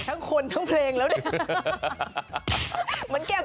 จิงจอกน้ำอ่ะ